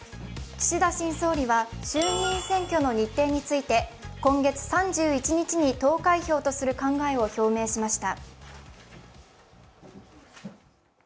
岸田新総理は衆議院選挙の日程について今月３１日に投開票とする考えを表明しました。